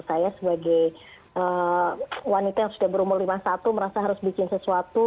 saya sebagai wanita yang sudah berumur lima puluh satu merasa harus bikin sesuatu